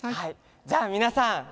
じゃあみなさん！